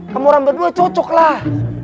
kamu orang berdua cocok lah